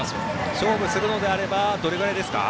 勝負するのであればどれくらいですか？